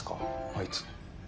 あいつ。